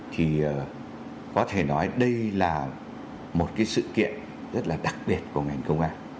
thì có thể nói đây là một cái sự kiện rất là đặc biệt của ngành công an